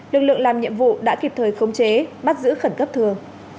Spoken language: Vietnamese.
lực lượng làm nhiệm vụ đã kịp thời khống chế bắt giữ khẩn cấp thường